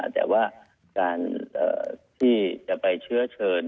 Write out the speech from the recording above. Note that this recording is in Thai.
แต่ว่าการที่จะไปเชื้อเชิญ